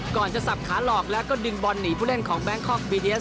ก่อนจะสับขาหลอกแล้วก็ดึงบอลหนีผู้เล่นของแบงคอกบีเดียส